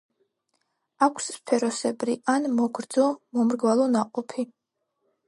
აქვს სფეროსებრი ან მოგრძი–მომრგვალო ნაყოფი.